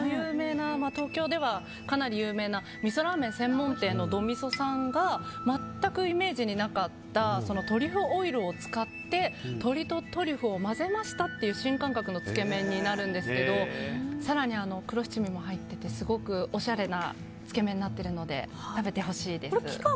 あの東京ではかなり有名なみそラーメン専門店のど・みそさんが全くイメージになかったトリュフオイルを使って鶏とトリュフを混ぜましたという新感覚のつけ麺なんですが更に黒七味も入っててすごくおしゃれなつけ麺になっているので食べてほしいです。